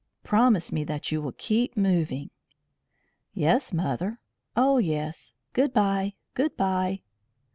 Promise me that you will keep moving." "Yes, mother. Oh, yes. Good bye. Good bye."